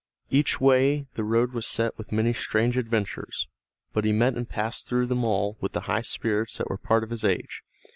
Each way the road was set with many strange adventures, but he met and passed through them all with the high spirits that were part of his age.